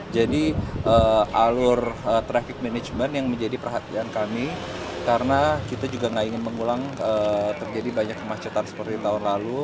jadi alur traffic management yang menjadi perhatian kami karena kita juga gak ingin mengulang terjadi banyak kemacetan seperti tahun lalu